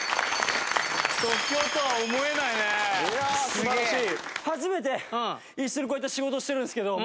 素晴らしい！